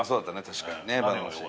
確かにね。